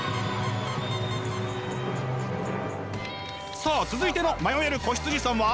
さあ続いての迷える子羊さんは？